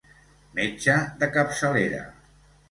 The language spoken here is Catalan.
Metge de capçalera.